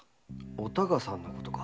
お孝さんのことか？